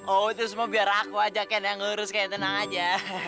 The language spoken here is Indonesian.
oh itu semua biar aku ajak ya nggak ngelurus tenang aja